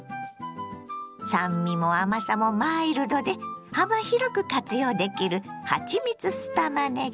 酸味も甘さもマイルドで幅広く活用できる「はちみつ酢たまねぎ」。